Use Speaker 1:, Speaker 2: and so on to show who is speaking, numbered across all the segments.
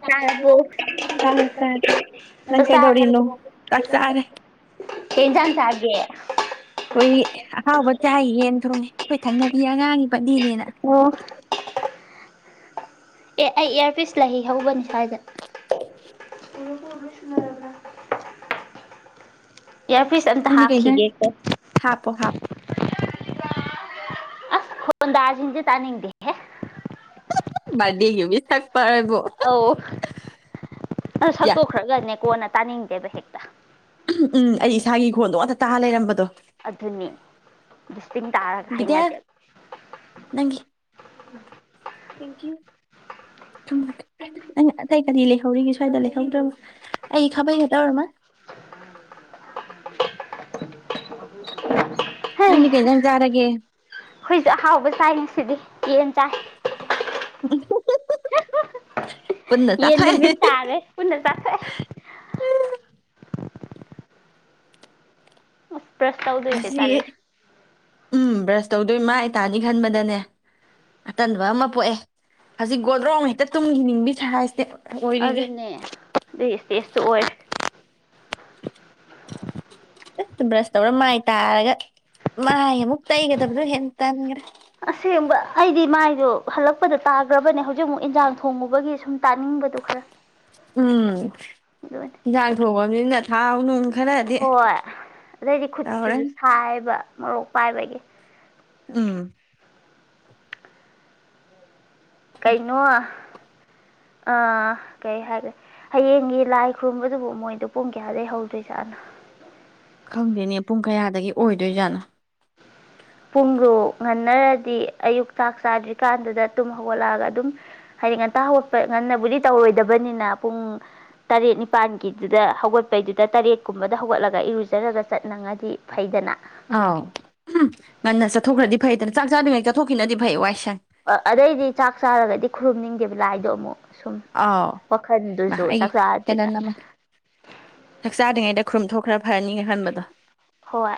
Speaker 1: ꯆꯔꯥꯕꯣ
Speaker 2: ꯆꯥꯔꯕꯣ
Speaker 1: ꯆꯥꯔꯦ ꯆꯥꯔꯦ ꯅꯪ
Speaker 2: ꯆꯥꯛ
Speaker 1: ꯀꯩꯗꯧꯔꯤꯅꯣ
Speaker 2: ꯆꯥꯔꯕꯣ
Speaker 1: ꯆꯥꯛ ꯆꯥꯔꯦ ꯀꯩ ꯍꯦꯟꯖꯡ ꯆꯥꯒꯦ꯫ ꯑꯩꯈꯣꯏ ꯑꯍꯥꯎꯕ ꯆꯥꯏ ꯌꯦꯟ ꯊꯣꯡꯉꯦ ꯑꯩꯈꯣꯏ ꯊꯪꯅꯕꯤ ꯑꯉꯥꯡꯒꯤ ꯄꯗꯤꯅꯦꯅ
Speaker 2: ꯑꯣ ꯑꯦ ꯑꯩ ꯏꯌꯥꯔꯄꯤꯁ ꯂꯩ ꯍꯧꯕꯅꯤ ꯀꯥꯏꯗ ꯁꯨꯅꯔꯕ ꯏꯌꯥꯔꯄꯤꯁ ꯑꯝꯇ
Speaker 1: ꯅꯪꯗꯤ ꯀꯩ ꯏꯟꯖꯥꯡ
Speaker 2: ꯍꯥꯞꯈꯤꯒꯦ ꯀꯣ
Speaker 1: ꯍꯥꯞꯄꯣ ꯍꯥꯞꯄꯣ
Speaker 2: ꯑꯁ ꯈꯣꯟ ꯗꯥꯔꯖꯤꯡꯁꯦ ꯇꯥꯅꯤꯡꯗꯦꯍꯦ
Speaker 1: ꯕꯤꯠꯗꯥꯏꯒꯤ ꯃꯤ ꯊ
Speaker 2: ꯑꯧ ꯑ
Speaker 1: ꯌꯥ
Speaker 2: ꯁꯛꯇꯣꯛꯈ꯭ꯔꯒꯅꯦ ꯀꯣꯟꯅ ꯇꯥꯅꯤꯡꯗꯦꯕ ꯍꯦꯛꯛꯇ
Speaker 1: ꯎꯝ ꯎꯝ ꯑꯩ ꯏꯁꯥꯒꯤ ꯏ ꯈꯣꯟꯗꯣ ꯑꯝꯇ ꯇꯥ ꯂꯩꯔꯝꯕꯗꯣ
Speaker 2: ꯑꯗꯨꯅꯤ ꯇꯤꯡ ꯇꯥꯔꯒ
Speaker 1: ꯕꯤꯗ꯭ꯌꯥ
Speaker 2: ꯍꯩꯅꯗꯦꯕ
Speaker 1: ꯊꯦꯡꯀꯨ ꯅꯪ ꯑꯇꯩ ꯀꯔꯤ ꯂꯩꯍꯧꯔꯤꯒꯦ ꯁ꯭ꯋꯥꯏꯗ ꯂꯩꯍꯧꯗ꯭ꯔꯕ ꯑꯩ ꯈꯥꯕꯩꯒ ꯇꯧꯔꯃ ꯅꯪꯗꯤ ꯈꯤꯇꯪ ꯆꯥꯔꯒꯦ
Speaker 2: ꯑꯩꯈꯣꯏꯁꯨꯦ ꯑꯍꯥꯎꯕ ꯆꯥꯏ ꯉꯁꯤꯗꯤ ꯌꯦꯟ ꯆꯥꯏ
Speaker 1: ꯄꯨꯟꯅ
Speaker 2: ꯌꯦꯟ
Speaker 1: ꯆꯥꯊꯣꯛꯑꯦ
Speaker 2: ꯅꯨꯃꯤꯠ ꯇꯥꯔꯦ ꯄꯨꯟꯅ ꯆꯊꯣꯛ ꯑꯁ ꯕ꯭ꯔꯁ ꯇꯧꯗꯣꯏꯁꯦ
Speaker 1: ꯑꯁꯤꯁ
Speaker 2: ꯇꯜꯂꯦ
Speaker 1: ꯎꯝ ꯇꯧꯗꯣꯏ ꯃꯥ ꯏꯇꯥꯥꯅꯤ ꯈꯟꯕꯗꯅꯦ ꯑꯇꯟꯕ ꯑꯃ ꯄꯣꯛꯑꯦ ꯍꯧꯖꯤꯛ ꯒꯣꯗ꯭ꯔꯣꯡ ꯍꯦꯛꯇ ꯇꯨꯝꯈꯤ ꯅꯤꯡꯕꯤ ꯁ ꯍꯥꯏꯁꯇꯦ
Speaker 2: ꯑꯗꯨꯅꯦ ꯑꯗꯨꯏ ꯏꯁꯇꯦꯖꯇꯨ ꯑꯣꯏꯔꯦ
Speaker 1: ꯕ꯭ꯔꯁ ꯇꯧꯔ ꯃꯥꯏ ꯇꯥꯔꯒ ꯃꯥꯏ ꯑꯃꯨꯛ ꯇꯩꯒꯗꯕꯗꯣ ꯍꯦ ꯇꯟꯈ꯭ꯔꯦ
Speaker 2: ꯑꯁꯦꯡꯕ ꯑꯩꯗꯤ ꯃꯥꯏꯗꯣ ꯍꯜꯂꯛꯄꯗ ꯇꯥꯈ꯭ꯔꯕꯅꯦ ꯍꯧꯖꯤꯛ ꯃꯨꯛ ꯏꯟꯖꯥꯡ ꯊꯣꯡꯉꯨꯕꯒꯤ ꯁꯨꯝ ꯇꯥꯅꯤꯡꯕꯗꯨ ꯈꯔ
Speaker 1: ꯎꯝ
Speaker 2: ꯑꯗꯨꯅꯦ
Speaker 1: ꯌꯦꯟꯁꯥꯡ ꯊꯣꯡꯕꯅꯤ ꯅ ꯊꯥꯎꯅ
Speaker 2: ꯍꯣꯏ ꯑꯗꯩꯗꯤ ꯈꯨꯠꯨꯁꯨ
Speaker 1: ꯇꯧꯔꯅꯤ
Speaker 2: ꯁꯥꯏꯕ ꯃꯔꯣꯔꯣꯛ ꯄꯥꯏꯕꯒꯤ
Speaker 1: ꯎꯝ
Speaker 2: ꯀꯩꯅꯩꯅꯣ ꯑꯥ ꯀꯩ ꯍꯥꯏꯈꯦ ꯍꯌꯦꯡꯒꯤ ꯂꯥꯏ ꯈꯨꯔꯨꯝꯕꯗꯨꯕꯨ ꯃꯣꯏꯗꯣ ꯄꯨꯡ ꯀꯌꯥꯗꯒꯤꯩ ꯍꯧꯗꯣꯏꯖꯥꯠꯅꯣ
Speaker 1: ꯈꯪꯗꯣꯏꯅꯦ ꯄꯨꯡ ꯀꯌꯥꯗꯒꯤ ꯑꯣꯏꯗꯣꯏꯖꯥꯠꯅꯣ
Speaker 2: ꯄꯨꯡꯗꯣ ꯉꯟꯅꯔꯗꯤ ꯑꯌꯨꯛꯛꯇꯥꯛ ꯆꯥꯗ꯭ꯔꯤꯀꯥꯟꯗꯨꯗ ꯇꯨꯝ ꯍꯧꯒꯠꯂꯛꯑꯒ ꯑꯗꯨꯝ ꯍꯥꯏꯗꯤ ꯉꯟ ꯍꯧꯒꯠꯄ ꯉꯟꯅꯕꯨꯗꯤ ꯇꯧꯔꯣꯏꯗꯕꯅꯤꯅ ꯄꯨꯡ ꯇꯔꯦꯠ ꯅꯤꯄꯥꯜꯒꯤꯗꯨꯗ ꯍꯧꯒꯠꯄꯩꯗꯨꯗ ꯇꯔꯦꯠꯀꯨꯝꯕꯗ ꯍꯧꯒꯠꯂꯒ ꯏꯔꯨꯖꯔꯒ ꯆꯠꯅꯤꯡꯉꯗꯤ ꯐꯩꯗꯅ
Speaker 1: ꯑꯥꯎꯝ ꯉꯟꯅ ꯆꯠꯊꯣꯛꯈ꯭ꯔꯗꯤ ꯐꯩꯗꯅ ꯆꯥꯛ ꯆꯥꯗ꯭ꯉꯩ ꯆꯠꯊꯣꯛꯈꯤꯅꯗꯤ ꯐꯩ ꯋꯥꯏꯁꯦ
Speaker 2: ꯑꯗꯩꯗꯤ ꯆꯥꯛ ꯆꯥꯔꯒꯗꯤ ꯈꯨꯔꯨꯝꯅꯤꯡꯗꯦꯕ ꯂꯥꯏꯗꯣ ꯑꯃꯨꯛ ꯁꯨꯝ
Speaker 1: ꯑꯥꯎ
Speaker 2: ꯋꯥꯈꯜꯗꯨꯁꯨ
Speaker 1: ꯑꯩꯒꯤ
Speaker 2: ꯆꯥꯛ
Speaker 1: ꯍꯦꯟꯅ
Speaker 2: ꯆꯥꯗ꯭ꯔꯤꯒ
Speaker 1: ꯅ ꯆꯛꯆꯥꯥꯗꯉꯩꯗ ꯈꯨꯔꯨꯝꯊꯣꯛꯈ꯭ꯔ ꯐꯔꯅꯤꯉꯦ ꯈꯟꯕꯗꯣ
Speaker 2: ꯍꯣꯏ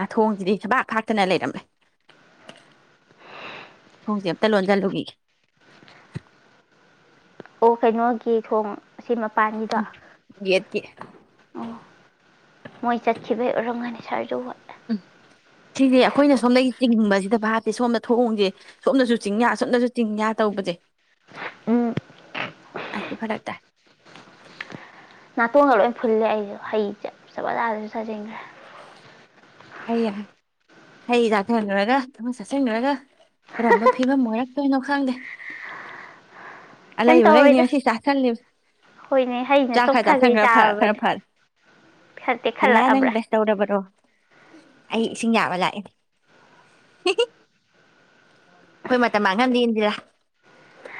Speaker 1: ꯅꯥꯊꯣꯡꯁꯤꯗꯤ ꯁꯕꯥꯛ ꯈꯥꯛꯇꯅ ꯂꯩꯔꯝꯃꯦꯦ ꯊꯣꯡꯁꯦ ꯑꯝꯇ ꯂꯣꯟꯁꯤꯜꯂꯨꯒ
Speaker 2: ꯑꯣ ꯀꯩꯅꯣꯒꯤ ꯊꯣꯡ ꯁꯤ ꯃꯄꯥꯟꯒꯤꯗꯣ
Speaker 1: ꯒꯦꯠꯀꯤ
Speaker 2: ꯑꯣ ꯃꯣꯏ ꯆꯠꯈꯤꯕꯩ ꯑꯣꯏꯔꯝꯒꯅꯤ ꯁꯥꯔꯖꯧ
Speaker 1: ꯎꯝ ꯁꯤꯁꯦ ꯑꯩꯈꯣꯏꯅ ꯁꯣꯝꯗꯒꯤ ꯆꯤꯡꯕꯁꯤꯗ ꯚꯥꯞꯠꯇꯦ ꯁꯣꯝꯗ ꯊꯑꯣꯣꯡꯁꯦ ꯁꯣꯝꯅꯁꯨ ꯆꯤꯡꯌꯥ ꯁꯣꯝꯅꯁꯨ ꯆꯤꯡꯌꯥ ꯇꯧꯕꯁꯦ
Speaker 2: ꯎꯝ
Speaker 1: ꯏꯕ ꯂ
Speaker 2: ꯅꯥꯇꯣꯡꯒ ꯂꯣꯏ ꯐꯨꯜꯂꯦ ꯑꯩꯁꯨ ꯍꯩ ꯆ ꯆꯖꯥꯗꯁꯨ ꯁꯥꯖꯤꯟꯈ꯭ꯔꯦ
Speaker 1: ꯍ ꯍꯩ ꯆꯥꯊꯈꯨꯔꯒ ꯑꯃ ꯆꯥꯆꯟꯈꯨꯔꯒ ꯀꯔꯝꯕ ꯐꯤꯕꯝ ꯑꯣꯏꯔꯛꯇꯣꯏꯅꯣ ꯈꯥꯡꯗꯦ ꯑ
Speaker 2: ꯀꯩꯝ
Speaker 1: ꯂꯩꯕꯈꯩꯅꯦ
Speaker 2: ꯇꯧꯔꯣꯏꯗ
Speaker 1: ꯉ ꯁꯤ ꯆꯥꯥꯁꯟꯜꯂꯤ
Speaker 2: ꯍꯣꯏꯅꯦ ꯍꯩꯅ
Speaker 1: ꯆꯥꯛ ꯈꯔ ꯆꯥꯥꯁꯟ
Speaker 2: ꯆꯣꯛꯊꯈꯩ
Speaker 1: ꯈꯔ ꯈꯔ
Speaker 2: ꯆꯥꯔꯕꯅꯦ
Speaker 1: ꯐꯅꯤ
Speaker 2: ꯈꯟꯇꯦ
Speaker 1: ꯏꯂꯥ
Speaker 2: ꯈꯜꯂꯛꯑꯕ꯭ꯔꯥ
Speaker 1: ꯅꯪ ꯭ꯂꯁ ꯇꯧꯔꯕ꯭ꯔꯣ ꯑꯩ ꯏꯁꯤꯡ ꯌꯥꯝꯕ ꯂꯥꯛꯑꯦ ꯑꯩꯈꯣꯏ ꯃꯇꯝ ꯃꯥꯡꯍꯟꯗꯦ ꯏꯟꯗꯔꯥ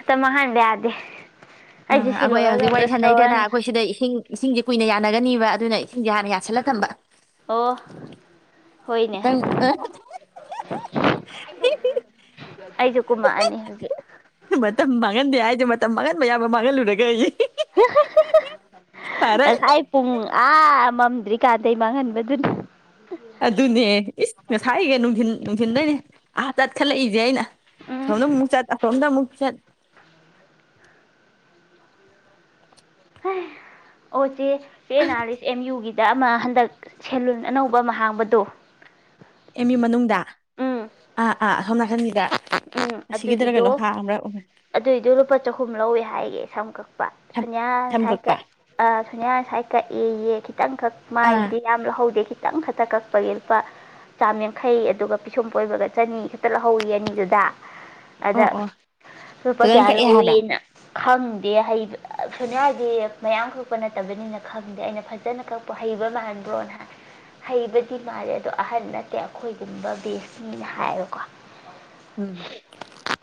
Speaker 2: ꯇ ꯃꯍꯥꯟꯗꯗꯦ
Speaker 1: ꯑ ꯑꯩꯈꯣꯏ ꯍꯧꯖꯤꯛ ꯋꯥꯔꯤ ꯁꯥꯟꯅꯩꯗꯅ ꯑꯩꯈꯣꯏ ꯁꯤꯗ ꯏꯁꯤꯡ ꯏꯁꯤꯡꯁꯦ ꯀꯨꯏꯅ ꯌꯥꯅꯒꯅꯤꯕ ꯑꯗꯨꯅ ꯌꯥꯔ ꯌꯥꯁꯂ ꯊꯝꯕ
Speaker 2: ꯑꯣ ꯍꯣꯏꯅꯦ
Speaker 1: ꯃꯇꯝ
Speaker 2: ꯑꯩꯁꯨ ꯀꯨꯝꯃꯛꯑꯅꯤ ꯍꯧꯖꯤꯛ
Speaker 1: ꯃꯌꯥꯝ ꯑꯃ ꯃꯥꯡꯍꯜꯂꯨꯔꯒꯦ ꯑꯩ ꯐꯔꯦ
Speaker 2: ꯁꯥꯏ ꯄꯨꯡ ꯑ ꯃꯝꯗ꯭ꯔꯤ ꯀꯥꯗꯩ ꯃꯥꯡꯍꯟꯕꯗꯨꯅꯤ
Speaker 1: ꯑꯗꯨꯅꯦ ꯏꯁ ꯉꯁꯥꯏ ꯒꯩ ꯅꯨꯡꯊꯤꯟ ꯅꯨꯡꯊꯤꯟꯗꯩꯅꯦ ꯑ- ꯆꯠꯈꯠꯂꯛꯏꯖꯦ ꯑꯩꯅ
Speaker 2: ꯎꯝ
Speaker 1: ꯑꯁꯣꯝꯗ ꯃꯨꯛ ꯆꯠ ꯑꯁꯣꯝꯗ ꯃꯨꯛ- ꯆꯠ
Speaker 2: ꯍꯩ ꯑꯣ ꯆꯦ- ꯆꯦ ꯅꯥꯔꯤꯁ ꯑꯦꯝ ꯌꯨꯒꯤ ꯇ ꯑꯃ ꯍꯟꯗꯛ ꯁꯦꯂꯨꯟ ꯑꯅꯧꯕ ꯑꯃ ꯍꯥꯡꯕꯗꯣ
Speaker 1: ꯑꯦꯝ ꯌꯨ ꯃꯅꯨꯡꯗ
Speaker 2: ꯎꯝ
Speaker 1: ꯑꯥ ꯑꯥ ꯑꯁꯣꯝ ꯅꯥꯀꯟꯒꯤꯗ
Speaker 2: ꯎꯝ
Speaker 1: ꯑꯁꯤꯒꯤꯗꯔ
Speaker 2: ꯑꯗꯨꯒꯤꯗꯣ
Speaker 1: ꯀꯩꯅꯣ ꯍꯥꯡꯕ꯭ꯔꯥ
Speaker 2: ꯑꯗꯨꯏꯗꯣ ꯂꯨꯄꯥ ꯆꯍꯨꯝ ꯂꯧꯋꯦ ꯍꯥꯏꯌꯦ ꯁꯝ ꯀꯛꯄ ꯁꯣꯅꯤꯌꯥ
Speaker 1: ꯁꯝ
Speaker 2: ꯉꯁꯥꯏ
Speaker 1: ꯀꯛꯄ
Speaker 2: ꯀꯛ ꯑ ꯁꯣꯅꯤꯌꯥ ꯉꯁꯥꯏ ꯀꯛꯑꯦꯌꯦ ꯈꯤ- ꯇꯪꯈꯛ
Speaker 1: ꯑꯥ
Speaker 2: ꯃꯥꯏꯕꯨꯗꯤ ꯌꯥꯝ ꯂꯧꯍꯧꯗꯦ ꯈꯤ- ꯈꯤꯇꯪ ꯈꯛꯇ ꯀꯛꯄꯒꯤ ꯂꯨꯄꯥ ꯆꯥꯝ ꯌꯥꯡꯈꯩ ꯑꯗꯨꯒ ꯄꯤꯁꯨꯝ ꯐꯣꯏꯕꯒ ꯆꯅꯤ ꯈꯛꯇ ꯂꯧꯍꯧꯋꯤꯌꯦ ꯑꯅꯤꯗꯨꯗ ꯇꯥ
Speaker 1: ꯑꯣ
Speaker 2: ꯑꯗ
Speaker 1: ꯑꯣ
Speaker 2: ꯂꯨꯄꯥ
Speaker 1: ꯐꯖꯅ
Speaker 2: ꯀꯌꯥ
Speaker 1: ꯀꯛꯑꯦ ꯍꯥꯏꯕ꯭ꯔꯥ
Speaker 2: ꯂꯧꯋꯦꯅ ꯈꯪꯗꯦ ꯍꯩꯕ ꯑ ꯁꯣꯅꯤꯌꯥꯗꯤ ꯃꯌꯥꯝ ꯀꯛꯄ ꯅꯠꯇꯕꯅꯤꯅ ꯈꯪꯗꯦ ꯑꯩꯅ ꯐꯖꯅ ꯀꯛꯄ ꯍꯩꯕ ꯃꯥꯟꯕ꯭ꯔꯣꯅ ꯍꯥꯏ ꯍꯩꯕꯗꯤ ꯃꯥꯜꯂꯦ ꯑꯗꯣ ꯑꯍꯟ ꯅꯠꯇꯦ ꯑꯩꯈꯣꯏꯒꯨꯝꯕ ꯕꯦꯁꯅꯤꯅ ꯍꯥꯏꯕꯀꯣ
Speaker 1: ꯎꯝ
Speaker 2: ꯁꯍ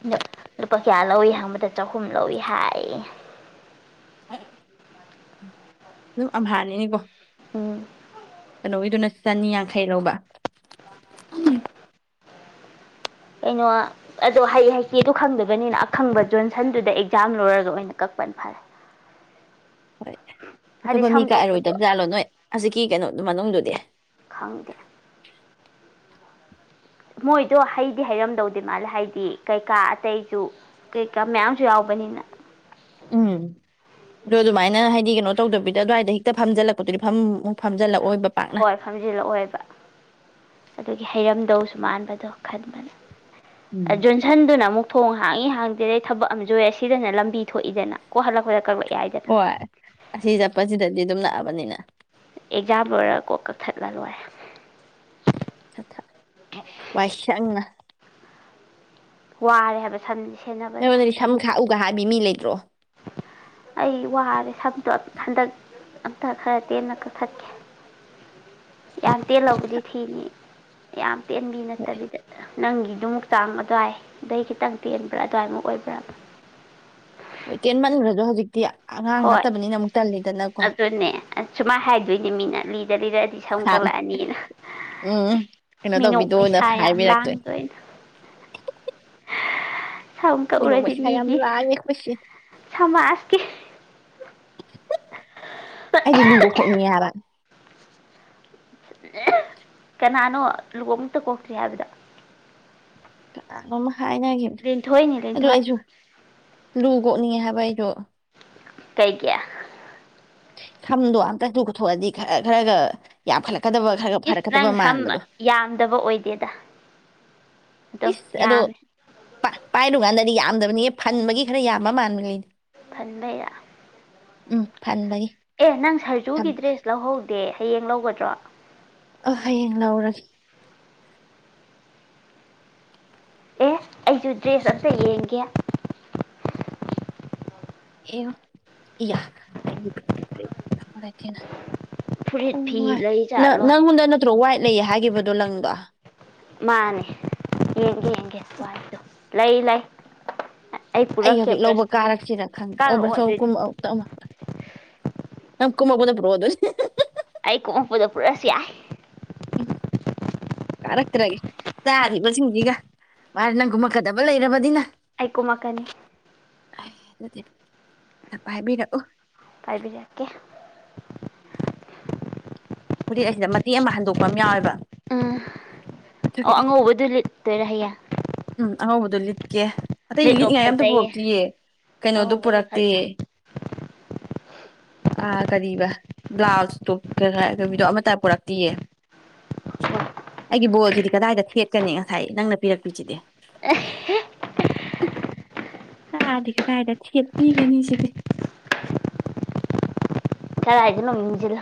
Speaker 2: ꯎꯝꯗ ꯂꯨꯄꯥ- ꯀꯌꯥ ꯂꯧꯏ ꯍꯪꯕꯗ ꯆꯍꯨꯝ ꯂꯧꯏ ꯍꯥꯏꯌꯦ
Speaker 1: ꯑꯗꯨꯝ ꯑꯝꯍꯥꯅꯤꯅꯦꯀꯣ
Speaker 2: ꯎꯝ
Speaker 1: ꯀꯩꯅꯣꯒꯤꯗꯨꯅ ꯆꯅꯤ ꯌꯥꯡꯈꯩ ꯂꯧꯕ ꯎꯝꯝ
Speaker 2: ꯀꯩꯅꯣ ꯑꯗꯣ ꯍꯩ ꯍꯩꯇꯦ ꯗꯣ ꯈꯪꯗꯕꯅꯤꯅ ꯑꯈꯪꯕ ꯖꯣꯟꯁꯟꯗꯨꯗ ꯑꯦꯛꯖꯥꯝ ꯂꯣꯏꯔꯒ ꯑꯣꯏꯅ ꯀꯛꯄꯅ ꯐꯔꯦ
Speaker 1: ꯍꯣꯏ
Speaker 2: ꯍꯥꯏꯗꯤ
Speaker 1: ꯑꯇꯣꯞꯄ ꯃꯤ
Speaker 2: ꯁꯝ ꯀꯛꯄꯗꯣ
Speaker 1: ꯀꯛꯑꯔꯣꯏꯗꯕꯖꯥꯠꯂꯣ ꯅꯣꯏ ꯍꯧꯖꯤꯛꯀꯤ ꯀꯩꯅꯣꯗꯨ ꯃꯅꯨꯡꯗꯨꯗꯤ
Speaker 2: ꯈꯪꯗꯦ ꯃꯣꯏꯗꯣ ꯍꯩꯗꯤ ꯍꯩꯔꯝꯗꯧꯗꯤ ꯃꯥꯂꯦ ꯍꯥꯏꯗꯤ ꯀꯩꯀꯥ ꯑꯇꯩꯁꯨ ꯀꯩꯀꯥ ꯃꯌꯥꯝꯁꯨ ꯌꯥꯎꯕꯅꯤꯅ
Speaker 1: ꯎꯝ ꯑꯗꯣ ꯑꯗꯨꯃꯥꯏꯅ ꯍꯥꯏꯗꯤ ꯀꯩꯅꯣ ꯇꯧꯗꯕꯤꯗ ꯑꯗꯨꯋꯥꯏꯗ ꯍꯦꯛꯇ ꯐꯝꯖꯜꯂꯛꯄꯗꯨꯗꯤ ꯐꯝꯝ ꯎꯝ ꯐꯝꯖꯜꯂꯛꯑꯣꯏ-
Speaker 2: ꯍꯣꯏ ꯐꯝꯖꯤꯜꯂꯛꯑꯣꯏꯕ ꯑꯗꯨꯒꯤ ꯍꯩꯔꯝ- ꯗꯧꯁꯨ ꯃꯥꯟꯕꯗꯣ ꯈꯟꯕꯅꯦ ꯑ
Speaker 1: ꯎꯝ
Speaker 2: ꯖꯣꯟꯁꯟꯗꯨꯅ ꯑꯃꯨꯛ ꯊꯣꯡ ꯍꯥꯡꯉꯤ ꯍꯥꯡꯗꯦꯗꯩ ꯊꯕꯛ ꯑꯃꯖꯨ ꯍꯦꯛ ꯁꯤꯗꯅ ꯂꯝꯕꯤ ꯊꯣꯛꯏꯗꯅ ꯀꯣꯛ ꯍꯜꯂꯛꯄꯗ ꯀꯛꯂꯛ- ꯌꯥꯏꯗꯅ
Speaker 1: ꯍꯣꯏ ꯑꯁꯤ ꯆꯠꯄꯁꯤꯗꯗꯤ ꯑꯗꯨꯝ ꯂꯥꯛꯑꯕꯅꯤꯅ
Speaker 2: ꯑꯦꯛꯖꯥꯝ ꯂꯣꯏꯔ ꯀꯣꯛ ꯀꯛꯊꯠꯂ ꯂꯣꯏꯔꯦ
Speaker 1: ꯊꯛ ꯊꯛ ꯋꯥꯏꯁꯪꯅ
Speaker 2: ꯋꯥꯔꯦ ꯍꯥꯏꯕ ꯁꯝꯖꯦ
Speaker 1: ꯁꯣꯟꯗꯗꯤ ꯁꯝ ꯈꯥꯛꯎ ꯒꯥ ꯍꯥꯏ- ꯕꯤ ꯃꯤ ꯂꯩꯇ꯭ꯔꯣ
Speaker 2: ꯑꯩ ꯋꯥꯔꯦ ꯁꯝꯗꯣ ꯍꯟꯗꯛ ꯑꯝꯇ ꯈꯔ ꯇꯦꯟꯅ ꯀꯛꯊꯠꯀꯦ ꯌꯥꯝ ꯇꯦꯜꯂꯕꯨꯗꯤ ꯊꯤꯅꯤ ꯌꯥꯝ ꯇꯦꯟꯕꯤ ꯅꯠꯇꯕꯤꯗ ꯅꯪꯒꯤ- ꯑꯗꯨꯃꯨꯛ ꯆꯥꯡ ꯑꯗꯨꯋꯥꯏ ꯑꯗꯩ ꯈꯤꯇꯪ ꯇꯦꯟꯕ꯭ꯔꯥ ꯑꯗꯨꯋꯥꯏꯃꯨꯛ ꯑꯣꯏꯕ꯭ꯔ
Speaker 1: ꯇꯦꯟ ꯃꯟꯈ꯭ꯔꯦꯗ ꯍꯧꯖꯤꯛ
Speaker 2: ꯍꯣꯏ ꯑꯗꯨꯅꯦ ꯁꯨꯃꯥꯏꯅ ꯍꯥꯏꯗꯣꯏꯅꯦ ꯃꯤꯅ ꯂꯤꯗ ꯂꯤꯔꯛꯑꯗꯤ ꯁꯝ
Speaker 1: ꯐꯥꯅꯤ
Speaker 2: ꯀꯠꯂꯛꯑꯅꯤꯅ
Speaker 1: ꯎꯝ ꯀꯩꯅꯣ
Speaker 2: ꯃꯤꯅꯣꯛ
Speaker 1: ꯇꯧꯕꯤꯗꯣꯅ
Speaker 2: ꯃꯩꯁꯥ ꯌꯥꯝ
Speaker 1: ꯍꯥꯏꯕꯤꯔꯛꯇꯣꯏ
Speaker 2: ꯂꯥꯡꯗꯣꯏꯅ ꯁꯝ
Speaker 1: ꯕꯤꯗꯣ
Speaker 2: ꯀꯛꯎꯔꯗꯤ
Speaker 1: ꯄꯩꯁꯥ ꯌꯥꯝ
Speaker 2: ꯃꯤꯒꯤ
Speaker 1: ꯂꯥꯡꯉꯦ ꯑꯩꯈꯣꯏꯁꯤ
Speaker 2: ꯁꯃꯥꯖꯀꯤ
Speaker 1: ꯑꯩꯗꯤ ꯂꯨ ꯀꯣꯛꯊꯣꯛꯅꯤꯡ ꯉꯦ ꯍꯥꯏꯕ
Speaker 2: ꯀꯅꯥꯅꯣ ꯂꯨꯕꯨ ꯑꯝꯇ ꯀꯣꯛꯁꯤ ꯍꯥꯏꯕꯗ
Speaker 1: [inaudible] ꯍꯥꯏꯅꯈꯤꯕꯅꯤ ꯑꯗꯨ
Speaker 2: ꯂꯦꯟꯊꯣꯏ
Speaker 1: ꯑꯩꯁꯨꯨ ꯀꯣꯛꯅꯤꯡꯉꯦ ꯍꯥꯏꯕ ꯑꯩꯗꯣ
Speaker 2: ꯀꯩꯒꯤ
Speaker 1: ꯁꯝꯗꯣ ꯑꯝꯇ ꯇ ꯀꯛꯊꯠꯂꯗꯤ ꯈꯔ ꯈꯔꯒ ꯌꯥꯝꯈꯠꯂꯛꯀꯗꯕ ꯈꯔꯒ
Speaker 2: ꯏꯁ ꯅꯪ
Speaker 1: ꯐꯔꯛꯀꯗꯕ
Speaker 2: ꯁꯝ
Speaker 1: ꯃꯥꯟꯕꯗꯣ
Speaker 2: ꯌꯥꯝꯗꯕ ꯑꯣꯏꯗꯦꯗ ꯑꯗꯨꯝ
Speaker 1: ꯏꯁ ꯑꯗꯣ
Speaker 2: ꯌꯥꯝꯃꯦ
Speaker 1: ꯄꯥꯏꯔꯨꯀꯥꯟꯗꯗꯤ ꯌꯥꯝꯗꯕꯅꯤ ꯍꯟꯕꯒꯤ ꯈꯔ ꯌꯥꯝꯕ ꯃꯥꯟꯕ ꯂꯩꯅꯤ
Speaker 2: ꯐꯟꯕꯩꯔ
Speaker 1: ꯎꯝ ꯐꯥꯟꯕꯒꯤ
Speaker 2: ꯑꯦ ꯅꯪ ꯁꯔꯖꯨꯒꯤ ꯗ꯭ꯔꯦꯁ ꯂꯧꯍꯧꯗ꯭ꯔꯦ ꯍꯌꯦꯡ ꯂꯧꯒꯗ꯭ꯔꯣ
Speaker 1: ꯑ ꯍꯌꯦꯡ ꯂꯧꯔꯒꯦ
Speaker 2: ꯑꯦ ꯑꯩꯁꯨ ꯗ꯭ꯔꯦꯁ ꯑꯝꯇ ꯌꯦꯡꯒꯦ
Speaker 1: ꯌꯦꯡꯉꯣ
Speaker 2: ꯐꯨꯔꯤꯠ ꯐꯤ
Speaker 1: ꯍꯣꯏ
Speaker 2: ꯂꯩ ꯆꯠꯂꯣ
Speaker 1: ꯅꯪꯉꯣꯟꯗ ꯅꯠꯇ꯭ꯔꯣ ꯋꯥꯏꯠ ꯂꯩꯌꯦ ꯍꯥꯏꯈꯤꯕ ꯂꯪꯕ
Speaker 2: ꯃꯥꯅꯦ ꯌꯦꯡꯒꯦ ꯌꯦꯡꯒꯦ ꯋꯥꯍꯦꯠꯇꯣ ꯂꯩ ꯂꯩ
Speaker 1: ꯑꯩ
Speaker 2: ꯄꯨꯔꯛꯀꯦ
Speaker 1: ꯍꯧꯖꯤꯛ ꯂꯧꯕ
Speaker 2: ꯕ꯭ꯔꯁ
Speaker 1: ꯀꯥꯔꯛꯁꯤꯔ ꯈꯪꯗꯦ ꯑꯣꯕ꯭ꯔ
Speaker 2: ꯀꯥꯔꯛꯑꯣ
Speaker 1: ꯁꯣ
Speaker 2: ꯑꯗꯨꯗꯤ
Speaker 1: ꯀꯨꯟꯃꯨꯛꯇ ꯑꯃꯛꯇ ꯅꯪ ꯀꯨꯝꯃꯛ ꯄꯗ ꯄꯨꯔꯛꯕꯣ ꯑꯗꯨꯗꯤ
Speaker 2: ꯑꯩ ꯀꯨꯝꯃꯛꯄꯗ ꯄꯨꯔꯛꯁꯨ ꯌꯥꯏ
Speaker 1: ꯎꯝ ꯀꯥꯔꯛꯇ꯭ꯔꯒꯦ ꯆꯥꯔꯤꯕꯁꯤꯡꯁꯤꯒ ꯃꯥꯅꯦ ꯅꯪ ꯀꯨꯝꯃꯛꯀꯗꯕ ꯂꯩꯔꯕꯅꯤꯅ
Speaker 2: ꯑꯩꯀꯨꯝꯃꯛꯀꯅꯤ
Speaker 1: ꯑꯗꯨꯗꯤ ꯄꯥꯏꯕꯤꯔꯛ ꯎ
Speaker 2: ꯄꯥꯏꯕꯤꯔꯛꯀꯦ
Speaker 1: ꯐꯨꯔꯤꯠ ꯍꯥꯏꯁꯤꯗ ꯃꯇꯦꯛ ꯑꯃ ꯍꯟꯗꯣꯛꯄ ꯑꯃ ꯌꯥꯎꯋꯦꯕ
Speaker 2: ꯎꯝ
Speaker 1: ꯑꯗꯨ
Speaker 2: ꯑꯣ ꯑꯉꯧꯕꯗꯨ ꯂꯤꯠꯇꯣꯏꯔꯥ ꯍꯌꯦꯡ
Speaker 1: ꯎꯝ ꯑꯉꯧꯕꯗꯣ ꯂꯤꯠ ꯂꯤꯠꯀꯦ ꯑꯇꯩ
Speaker 2: ꯂꯤꯠꯂꯣ
Speaker 1: ꯂꯤꯠꯉꯥꯏ ꯑꯇ
Speaker 2: ꯐꯖꯩꯌꯦ
Speaker 1: ꯄꯨꯔꯛꯇꯤꯌꯦ ꯀꯩꯅꯣꯗꯣ
Speaker 2: ꯑꯉꯧꯕꯗꯨ
Speaker 1: ꯄꯨꯔꯛꯇꯦ
Speaker 2: ꯐꯖꯩ
Speaker 1: ꯑꯥ ꯀꯔꯤꯕ ꯕ꯭ꯂꯥꯎꯁ ꯇꯣꯞꯇꯣ ꯑꯃꯠꯇ ꯄꯨꯔꯛꯇꯤꯌꯦ ꯑꯩꯒꯤ ꯕꯣꯜꯁꯤꯗꯤ ꯀꯗꯥꯏꯗ ꯊꯦꯠꯀꯅꯤ ꯉꯁꯥꯏ ꯅꯪꯅ ꯄꯤꯔꯛꯄꯁꯤꯗꯤ ꯍꯨꯝꯍꯨꯝ ꯉꯥꯗꯤ ꯀꯗꯥꯏꯗ ꯊꯦꯠ ꯄꯤꯒꯅꯤ ꯁꯤꯗꯤ
Speaker 2: ꯀꯔꯥꯏꯗꯅꯣ ꯌꯨꯡꯖꯤꯜꯂꯣ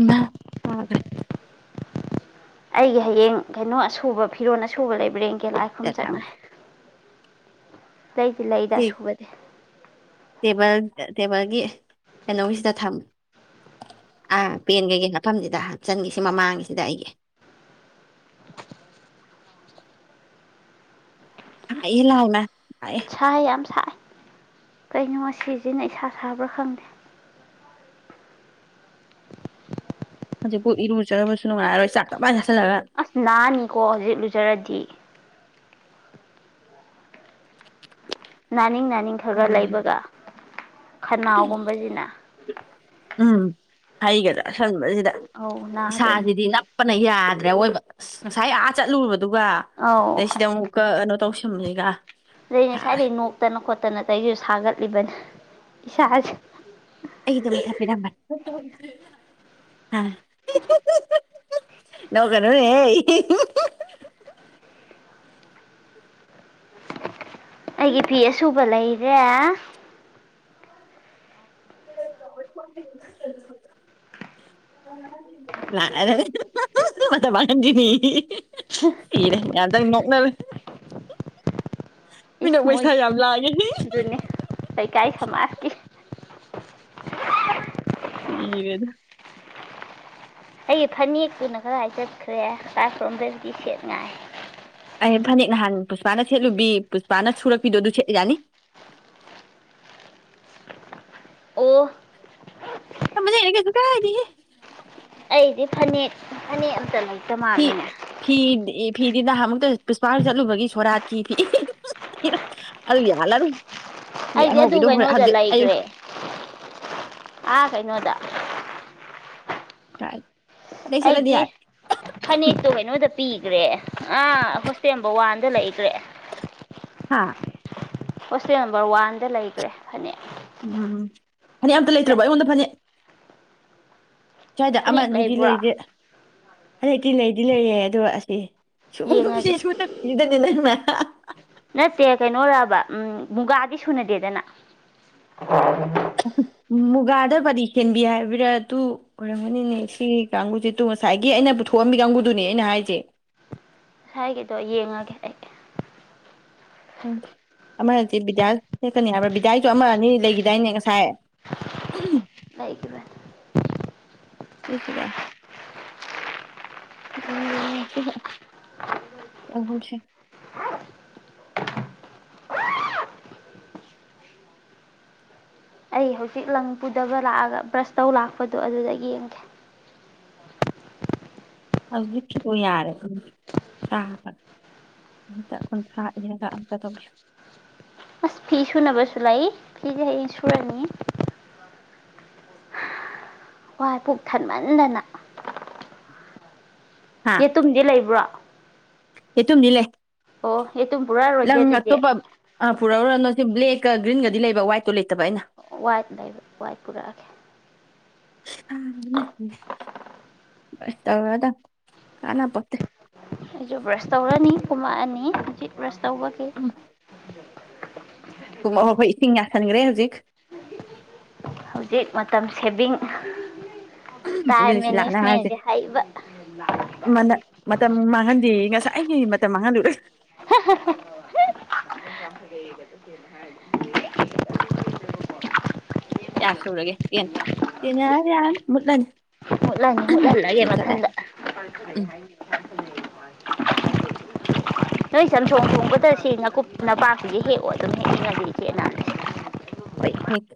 Speaker 1: ꯏꯃꯥ ꯇꯥꯒꯔꯦ
Speaker 2: ꯑꯩꯒꯤ ꯍꯌꯦꯡ ꯀꯩꯅꯣ ꯑꯁꯨꯕ ꯐꯤꯔꯣꯟ ꯑꯁꯨꯕ ꯂꯩꯕꯔ ꯌꯦꯡ ꯀꯦ ꯂꯥꯏꯈꯨꯔꯝ ꯆꯠꯂꯨꯔꯦ ꯂꯩꯗꯤ ꯂꯩꯗ
Speaker 1: ꯁꯤ
Speaker 2: ꯑꯁꯨꯨꯕꯗꯤ
Speaker 1: ꯇꯦꯕꯜ ꯇꯦꯕꯜꯒꯤ ꯀꯩꯅꯣꯒꯤꯁꯤꯗ ꯊꯝ ꯑꯥ ꯄꯦꯟꯒꯩꯒꯩ ꯃꯐꯝꯁꯤꯗ ꯍꯥꯞꯆꯟꯒꯤꯁꯤ ꯃꯃꯥꯡꯉꯁꯤꯗ ꯑꯩꯒꯤ ꯍꯩꯌꯦ ꯂꯥꯎꯅ
Speaker 2: ꯁꯥꯏ ꯌꯥꯝ ꯁꯥꯏ ꯀꯩꯅꯣ ꯁꯤꯁꯤꯅ ꯏꯁꯥ ꯁꯥꯕ꯭ꯔꯥ ꯈꯪꯗꯦ
Speaker 1: ꯍꯧꯖꯤꯛꯄꯨ ꯏꯔꯨꯖꯔꯕꯁꯨ ꯅꯨꯡꯉꯥꯏꯔꯣꯏ ꯆꯥꯛ ꯇꯞ ꯇꯥꯏ ꯆꯥꯁꯜꯂꯒ
Speaker 2: ꯑꯁ ꯅꯥꯅꯤꯀꯣ ꯍꯧꯖꯤꯛ ꯂꯨꯖꯔꯗꯤ ꯅꯥꯅꯤꯡ ꯅꯥꯅꯤꯡ ꯅꯤꯡ ꯈꯔ ꯈ ꯂꯩꯕꯒ ꯈꯅꯥꯎꯒꯨꯝꯕꯁꯤꯅ
Speaker 1: ꯍꯩꯒꯗ ꯑꯁꯪꯕꯁꯤ
Speaker 2: ꯑꯧ ꯅꯥꯗꯣꯏꯅꯤ
Speaker 1: ꯏꯁꯥꯁꯤꯗꯤ ꯅꯞꯄꯅ ꯌꯥꯗ꯭ꯔꯦ ꯑꯋꯣꯏꯕ ꯑꯁ ꯉꯁꯥꯏ ꯑꯥ ꯆꯠꯂꯨꯕꯗꯣ ꯑꯗꯨꯒ
Speaker 2: ꯑꯧ
Speaker 1: ꯑꯗꯩ ꯁꯤꯗ ꯑꯃꯨꯛꯀ ꯀꯩꯅꯣ ꯇꯧꯁꯤ ꯊꯨꯝ ꯂꯩꯒ
Speaker 2: ꯑꯩ ꯉꯁꯥꯏꯗꯒꯤꯩ ꯅꯣꯛꯇꯅ ꯈꯣꯠꯇ ꯇꯠꯅꯇꯩꯁꯨ ꯁꯥꯒꯠꯂꯤꯕꯅꯤ ꯏꯁꯥꯥꯖꯦ
Speaker 1: ꯃꯤꯅꯝꯕ ꯑ ꯅꯣꯛꯀꯅꯨꯅꯦꯍꯦ
Speaker 2: ꯑꯩꯒꯤ ꯐꯤ ꯑꯁꯨꯕ ꯂꯩ ꯌꯥ
Speaker 1: ꯂꯔꯦꯟꯗꯤꯅꯤ ꯀꯔ ꯌꯥꯗꯪ ꯅꯣꯛꯅꯔꯦ [unintelligible] ꯅꯣꯛꯄ
Speaker 2: ꯃꯣꯏ
Speaker 1: ꯏꯁꯥ ꯌꯥꯝ ꯂꯥꯡꯉꯦ
Speaker 2: ꯑꯗꯨꯅꯤ ꯀꯩꯀꯥꯏ ꯁꯃꯥꯖꯀꯤ
Speaker 1: ꯍꯤ ꯔꯦꯗ
Speaker 2: ꯑꯩꯒꯤ ꯐꯅꯦꯛꯇꯨꯅ ꯈꯔ ꯍꯥꯏ ꯗꯠꯈ꯭ꯔꯦ ꯂꯥ꯫ꯇꯥꯁꯔꯣꯝꯗꯗꯤ ꯁꯦꯠ ꯉꯥꯏ
Speaker 1: ꯑꯩ ꯐꯅꯦꯛ ꯅꯍꯥꯟ ꯄꯨꯁꯄꯥꯅ ꯁꯦꯠꯂꯨꯕꯤ ꯄꯨꯁꯄꯥꯅ ꯁꯨꯔꯛꯄꯤꯗꯣ ꯑꯗꯨ ꯁꯦꯠ ꯌꯥꯅꯤ
Speaker 2: ꯑꯣ
Speaker 1: ꯖꯅꯦ ꯀꯩꯁꯨ ꯀ ꯍꯥꯏꯗꯤ [unintelligible]
Speaker 2: ꯑꯩꯗꯤ ꯐꯅꯦꯛ ꯐꯅꯦꯛ ꯑꯝꯇ ꯂꯩꯇꯦ
Speaker 1: ꯐꯤ ꯐꯤ ꯗꯤ ꯐꯤꯗꯤ ꯅꯍꯥꯟ ꯃꯨꯛꯇ ꯄꯨꯁꯄꯥ ꯍꯣꯏ ꯆꯠꯂꯨꯕꯒꯤ ꯁꯣꯔꯥꯠꯀꯤ ꯐꯤ ꯑꯗꯨ ꯌꯥꯜꯂꯔꯣꯏ ꯑꯗꯩ
Speaker 2: ꯑꯩꯗꯤ ꯑꯗꯨ
Speaker 1: ꯑꯉꯧꯕꯤꯗꯣ ꯍꯣꯔꯦꯟ
Speaker 2: ꯀꯩꯅꯣꯗ
Speaker 1: ꯍꯧꯖꯤꯛ ꯑꯌꯨꯛ
Speaker 2: ꯂꯩꯈ꯭ꯔꯦ ꯑꯥ ꯀꯩꯅꯣꯗ
Speaker 1: ꯇꯥꯏ
Speaker 2: ꯑꯩꯗꯤ ꯐꯅꯦꯛꯇꯣ ꯍꯥꯏꯩꯅꯣꯏꯗ ꯄꯤꯈ꯭ꯔꯦ ꯑꯥ ꯍꯣꯁꯇꯦꯜ ꯅꯝꯕꯔ ꯋꯥꯟꯗ ꯂꯩꯈ꯭ꯔꯦ
Speaker 1: ꯍꯥꯥ
Speaker 2: ꯍꯣꯁꯇꯦꯜ ꯅꯝꯕꯔ ꯋꯥꯟꯗ ꯂꯩꯈ꯭ꯔꯦ ꯐꯅꯦꯛ
Speaker 1: ꯎꯝ ꯐꯅꯦꯛ ꯑꯝꯇ ꯂꯩꯇ꯭ꯔꯕꯣ ꯑꯩꯉꯣꯟꯗ ꯐꯅꯦꯛ ꯁ꯭ꯋꯥꯏꯗ ꯑꯃ
Speaker 2: ꯐꯅꯦꯛ
Speaker 1: ꯑꯅꯤꯗꯤ
Speaker 2: ꯂꯩꯕ꯭ꯔꯥ
Speaker 1: ꯂꯩꯔꯦ ꯍꯟꯗꯛꯇꯤ ꯂꯩꯗꯤ ꯂꯩꯔꯦ ꯑꯗꯣ ꯑꯁꯤ ꯁꯨꯝꯕꯨ
Speaker 2: ꯌꯦꯡꯉꯒꯦ
Speaker 1: ꯦꯁ ꯃ ꯃꯇꯝ ꯅꯨꯗ ꯅꯅꯃꯃꯦ
Speaker 2: ꯅꯠꯇꯦ ꯀꯩꯅꯣꯔꯕ ꯎꯝ ꯃꯨꯒꯥꯗꯤ ꯁꯨꯅꯗꯦꯗꯅ
Speaker 1: ꯃꯨꯒꯥꯗ ꯗꯤ ꯍꯦꯟꯕꯤ ꯍꯥꯏꯕꯔꯥ ꯑꯗꯨ ꯑꯣꯏꯔꯝꯒꯅꯤꯅꯦ ꯁꯤꯒꯤ ꯀꯥꯡꯕꯨꯁꯤ ꯇꯨ ꯉꯁꯥꯏꯒꯤ ꯑꯩꯅ ꯄꯨꯊꯣꯛꯑꯝꯃꯤ ꯀꯥꯡꯕꯨꯗꯨꯅꯦ ꯑꯩꯅ ꯍꯥꯏꯁꯦ
Speaker 2: ꯍꯥꯏꯒꯤꯗꯣ ꯌꯦꯡꯉꯒꯦ ꯑꯩ
Speaker 1: ꯈꯪꯗꯦ ꯑꯃꯗꯤ ꯕꯤꯗ꯭ꯌꯥ ꯁꯦꯛꯀꯅꯤ ꯍꯥꯏꯕ꯭ꯔꯥ ꯕꯤꯗ꯭ꯌꯥꯏꯁꯨ ꯑꯃ ꯑꯅꯤ ꯂꯩꯈꯤꯗꯥꯏꯅꯦ ꯉꯁꯥꯏ
Speaker 2: ꯂꯩꯏ ꯀ꯭ꯔ
Speaker 1: ꯁꯤꯁꯤꯒ ꯏ ꯑ
Speaker 2: ꯑꯩ ꯍꯧꯖꯤꯛ ꯂꯪ ꯄꯨꯗꯕ ꯂꯥꯛꯑꯒ ꯕ꯭ꯔꯁ ꯇꯧ ꯂꯥꯛꯄꯗꯣ ꯑꯗꯨꯗ ꯌꯦꯡꯒꯦ
Speaker 1: ꯍꯧꯖꯤꯛꯀꯤꯗ ꯌꯥꯔꯦ ꯊꯕ ꯀꯨꯟ ꯊ ꯏꯔꯒ ꯑꯝꯇ ꯇꯧꯕꯤꯌꯨ
Speaker 2: ꯐꯤ ꯁꯨꯅꯕꯁꯨ ꯂꯥꯛꯏ ꯐꯤꯁꯦ ꯍꯌꯦꯡ ꯁꯨꯔꯅꯤ ꯋꯥꯏ ꯄꯨꯣꯛ ꯊꯟꯃꯟꯗꯅ
Speaker 1: ꯍꯥ
Speaker 2: ꯌꯦꯇꯨꯝꯗꯤ ꯂꯩꯕ꯭ꯔꯣ
Speaker 1: ꯌꯦꯇꯨꯝꯗꯤ ꯂꯩ
Speaker 2: ꯑꯣ ꯌꯦꯇꯨꯝ ꯄꯨꯔꯛꯔꯣꯏꯒꯦ ꯑꯗꯨꯗꯤ
Speaker 1: ꯄꯨꯔꯛꯔꯨꯔ ꯅ ꯁꯤ ꯕ꯭ꯂꯦꯛꯀ ꯒ꯭ꯔꯤꯟꯒꯗꯤ ꯂꯩꯕ ꯋꯥꯏꯠꯇꯣ ꯂꯩꯇꯕ ꯑꯩꯅ
Speaker 2: ꯋꯥꯏꯠ ꯋꯥꯏꯠ ꯄꯨꯔꯛꯑꯒꯦ
Speaker 1: ꯁ ꯇꯗ ꯀꯅ ꯄꯠꯇꯦ
Speaker 2: ꯑꯩꯁꯨ ꯕ꯭ꯔꯁ ꯇꯧꯔꯅꯤ ꯄꯨꯝꯃꯛꯑꯅꯤ ꯍꯧꯖꯤꯛ ꯔꯁꯥ ꯎꯕ ꯀ
Speaker 1: ꯀ ꯑꯐꯕ ꯏꯁꯤꯡ ꯌꯥꯁꯟꯈ꯭ꯔꯦ ꯍꯧꯖꯤꯛ
Speaker 2: ꯍꯧꯖꯤꯛ ꯃꯇꯝ ꯁꯦꯚꯤꯡ ꯇꯥꯏ
Speaker 1: ꯑꯗꯨꯅꯤ ꯁꯤ
Speaker 2: ꯃꯤꯅꯤꯁ
Speaker 1: ꯂꯥꯛꯅ ꯍꯥꯏꯔꯤꯁꯦ
Speaker 2: ꯃꯤꯅꯤꯁꯦ ꯍꯥꯏꯩꯕ
Speaker 1: ꯑꯩꯥꯏ ꯃ ꯃꯉꯥꯟꯗꯨꯔ
Speaker 2: [inaudible]
Speaker 1: ꯌꯥ ꯁꯔꯒꯦ ꯌꯦꯟ ꯌꯥꯔ ꯌꯥ ꯃꯅꯤ
Speaker 2: ꯍꯣꯠꯍꯜꯂꯒꯦ ꯃꯊꯟꯗ
Speaker 1: ꯎꯝ
Speaker 2: ꯅꯣꯏ ꯆꯝ ꯁꯣꯡ ꯊꯣꯡꯕꯗ ꯁꯤ ꯉꯀꯨꯞ ꯅꯄꯥꯛꯇꯁꯦ ꯍꯦꯛꯑꯣ ꯑꯗꯨꯝ ꯍꯦꯛꯅꯤꯡꯉꯅꯤ ꯏꯆꯦꯅ
Speaker 1: ꯍꯦ